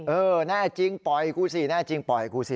เออแน่จริงปล่อยกูสิแน่จริงปล่อยกูสิ